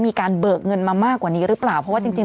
เบิกเงินมามากกว่านี้หรือเปล่าเพราะว่าจริงจริง